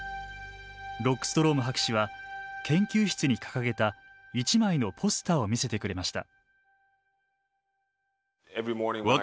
ロックストローム博士は研究室に掲げた１枚のポスターを見せてくれました。